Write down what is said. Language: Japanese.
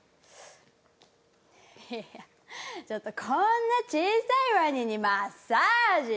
「いやこんな小さいワニにマッサージ？」。